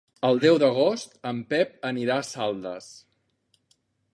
El deu d'agost en Pep anirà a Saldes.